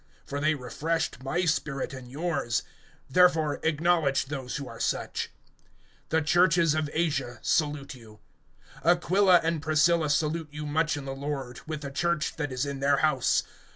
(18)For they refreshed my spirit and yours; therefore acknowledge those who are such. (19)The churches of Asia salute you. Aquila and Priscilla salute you much in the Lord, with the church that is in their house.